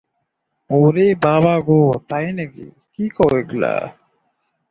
যারা সরকারের বিভিন্ন উচ্চ পর্যায়ের কর্মকর্তা হিসেবে কর্মরত আছেন।